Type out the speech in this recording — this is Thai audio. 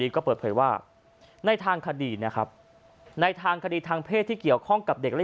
ก็เปิดเผยว่าในทางคดีนะครับในทางคดีทางเพศที่เกี่ยวข้องกับเด็กและ